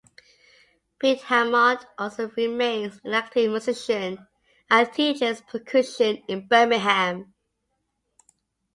Pete Hammond also remains an active musician and teaches percussion in Birmingham.